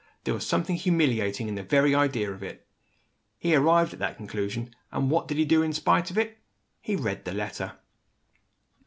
There was something humiliating in the very idea of it. He arrived at that conclusion and what did he do in spite of it? He read the letter.